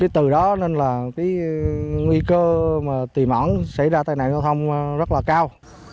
từ đó nên là nguy cơ tìm ổn xảy ra tai nạn giao thông rất là cao